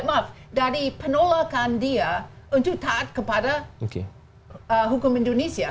maaf dari penolakan dia untuk taat kepada hukum indonesia